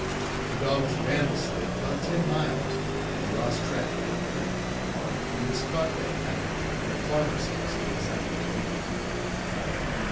The dogs ran the slave about ten miles when they lost track at a creek, but he was caught that night in a farmer's house getting something to eat.